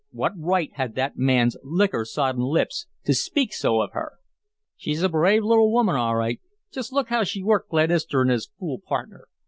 What right had that man's liquor sodden lips to speak so of her? "She's a brave little woman all right. Just look how she worked Glenister and his fool partner.